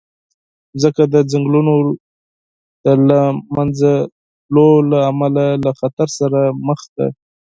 مځکه د ځنګلونو د له منځه تلو له امله له خطر سره مخ ده.